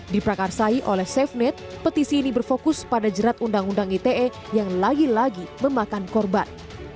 diprakarsai oleh safenet petisi ini berfokus pada jerat undang undang ite yang lagi lagi memakan korban